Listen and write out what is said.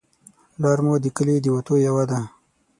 لار مو د کلي د وتو یوه ده